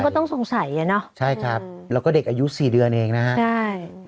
ต้องสงสัยอ่ะเนอะใช่ครับแล้วก็เด็กอายุสี่เดือนเองนะฮะใช่